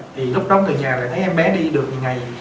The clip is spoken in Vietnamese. thì lúc đó từ nhà lại thấy em bé đi được một ngày